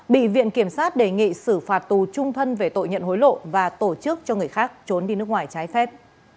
bị viện kiểm sát đề nghị xử phạt tù trung thân về tội nhận hối lộ và tổ chức cho người khác trốn đi nước ngoài trái phép